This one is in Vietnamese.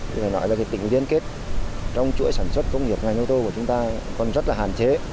chúng ta nói là cái tỉnh liên kết trong chuỗi sản xuất công nghiệp ngành ô tô của chúng ta còn rất là hàn chế